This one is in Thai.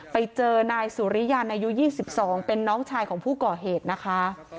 ไปเจอนายสุริยันอายุ๒๒เป็นน้องชายของผู้ก่อเหตุนะคะ